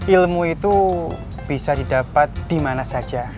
ilmu itu bisa didapat dimana saja